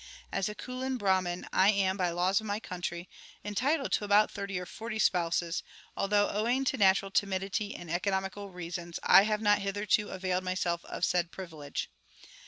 As a Koolin Brahmin, I am, by laws of my country, entitled to about thirty or forty spouses, though, owing to natural timidity and economical reasons, I have not hitherto availed myself of said privilege.